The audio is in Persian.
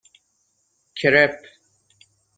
کرپ